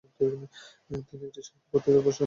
তিনি একটি সাহিত্য পত্রিকার সম্পাদনা ও করতেন।